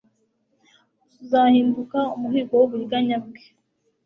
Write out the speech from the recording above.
tuzahinduka umuhigo w'uburiganya bwe;